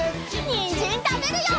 にんじんたべるよ！